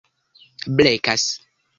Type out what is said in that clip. blekas